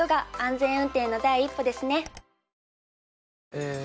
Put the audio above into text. え